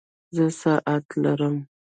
زه ساعت لرم